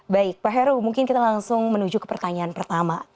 baik pak heru mungkin kita langsung menuju ke pertanyaan pertama